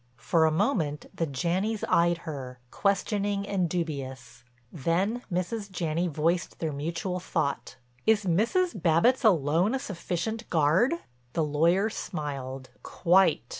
For a moment the Janneys eyed her, questioning and dubious, then Mrs. Janney voiced their mutual thought: "Is Mrs. Babbitts, alone, a sufficient guard?" The lawyer smiled. "Quite.